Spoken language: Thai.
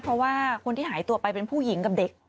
เพราะว่าคนที่หายตัวไปเป็นผู้หญิงกับเด็ก